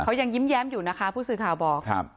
เขายังยิ้มแย้มอยู่นะคะผู้สื่อข่าวบอกครับ